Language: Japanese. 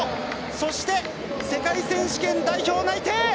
そして、世界選手権代表内定！